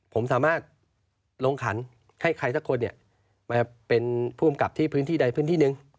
ผมสามารถลงขันให้ใครสักคนมาเป็นผู้อำกับที่พื้นที่ใดพื้นที่หนึ่ง